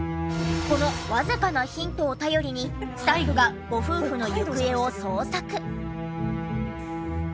このわずかなヒントを頼りにスタッフがご夫婦の行方を捜索。